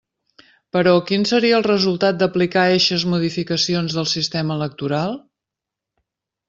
Però, ¿quin seria el resultat d'aplicar eixes modificacions del sistema electoral?